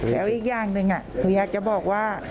แล้วอีกอย่างหนึ่งหนูอยากจะบอกว่า